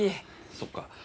そっか。